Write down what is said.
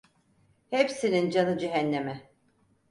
Hepsinin canı cehenneme!